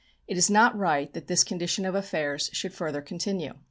It is not right that this condition of affairs should further continue.